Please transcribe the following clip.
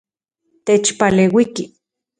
Techpaleuiki.